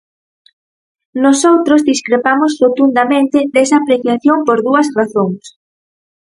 Nosoutros discrepamos rotundamente desa apreciación por dúas razóns.